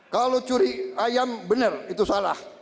kalau curi ayam benar itu salah